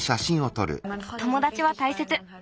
ともだちはたいせつ。